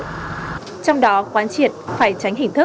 trong đó quán triệt phải tránh hình thức